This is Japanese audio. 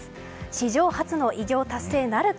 史上初の偉業達成なるか。